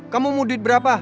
kamu mau duit berapa